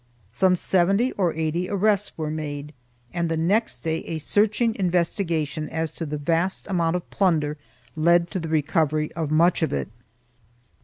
Some seventy or eighty arrests were made and the next day a searching investigation as to the vast amount of plunder led to the recovery of much of it.